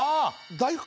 大福？